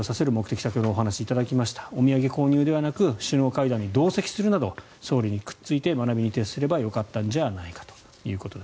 先ほどお話しいただきましたお土産購入ではなく首脳会談に同席するなど総理にくっついて学びに徹すればよかったんじゃないかということです。